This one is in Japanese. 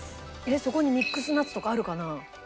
そこにミックスナッツとかあるかな？